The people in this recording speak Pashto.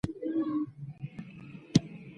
د ځینو مکروبونو په منځ کې اندوسپور منځته راځي.